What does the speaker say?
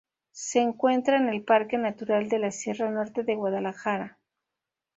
Se encuentra en el parque natural de la Sierra Norte de Guadalajara.